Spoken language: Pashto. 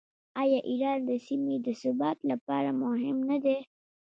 آیا ایران د سیمې د ثبات لپاره مهم نه دی؟